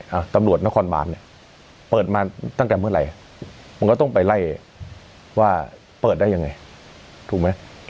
เอาตำรวจนครบานเนี่ยเปิดมาตั้งแต่เมื่อไหร่มันก็ต้องไปไล่ว่าเปิดได้ยังไงถูกไหม